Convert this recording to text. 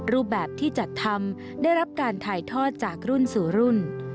รูปแบบที่จัดทำได้รับการถ่ายทอดจากรุ่นสู่รุ่น